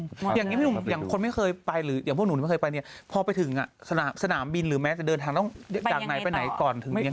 อย่างนี้พี่หนุ่มอย่างคนไม่เคยไปหรืออย่างพวกหนูไม่เคยไปเนี่ยพอไปถึงสนามบินหรือแม้จะเดินทางต้องจากไหนไปไหนก่อนถึงยังไง